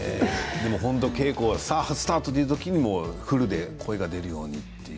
稽古をスタートという時にはフルで声が出るようにと。